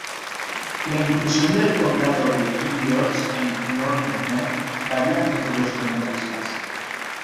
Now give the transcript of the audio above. La inclusión del condado de King George en Northern Neck varía entre los comentaristas.